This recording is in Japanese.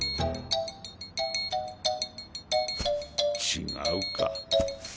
違うか。